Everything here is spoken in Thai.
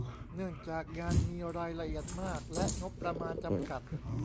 เนื่องจากงานมีรายละเอียดมาก และ งบประมาณจำกัด